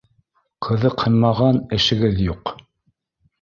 Ҡыҙыҡһынмаған эшегеҙ юҡ